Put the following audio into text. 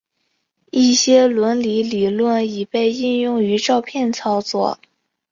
一些伦理理论已被应用于照片操作。